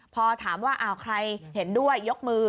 พอถามว่าใครเห็นด้วยยกมือ